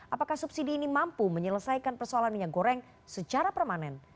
apakah subsidi ini mampu menyelesaikan persoalan minyak goreng secara permanen